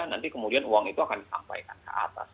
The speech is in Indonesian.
nanti kemudian uang itu akan disampaikan ke atas